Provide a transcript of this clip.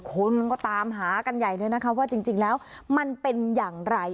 คนก็ตามหากันใหญ่เลยนะคะว่าจริงแล้วมันเป็นอย่างไร